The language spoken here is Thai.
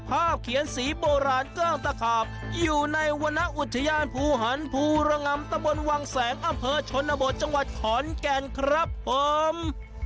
ภาพเขียนสีโบราณเกิ้งตะขาบอยู่ในวรรณอุทยานภูหันภูระงำตะบนวังแสงอำเภอชนบทจังหวัดขอนแก่นครับผม